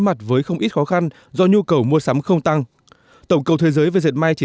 mặt với không ít khó khăn do nhu cầu mua sắm không tăng tổng cầu thế giới về diệt may chỉ